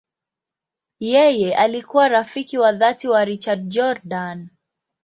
Yeye alikuwa rafiki wa dhati wa Richard Jordan.